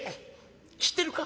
知ってるか？